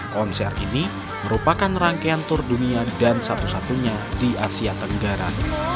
konser ini merupakan rangkaian tour dunia dan satu satunya di asia tenggara